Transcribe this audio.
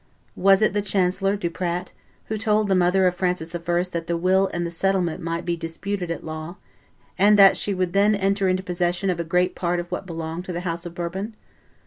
Was it the chancellor, Duprat, who told the mother of Francis I. that the will and the settlement might be disputed at law, and that she would then enter into possession of a great part of what belonged to the House of Bourbon?